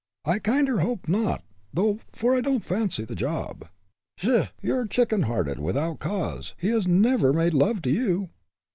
I kinder hope not, though, for I don't fancy the job." "Pshaw! you're chicken hearted, without cause. He's never made love to you."